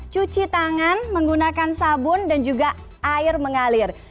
cuci tangan menggunakan sabun dan juga air mengalir